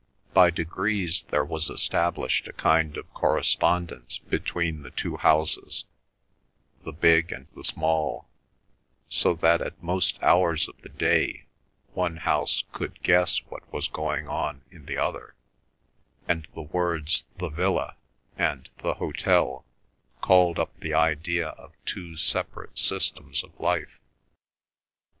By degrees there was established a kind of correspondence between the two houses, the big and the small, so that at most hours of the day one house could guess what was going on in the other, and the words "the villa" and "the hotel" called up the idea of two separate systems of life.